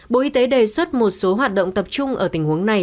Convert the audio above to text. bộ y tế đề xuất một số hoạt động tập trung ở tình huống này